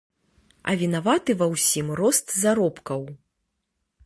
А вінаваты ва ўсім рост заробкаў.